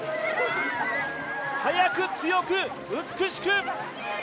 速く、強く、美しく！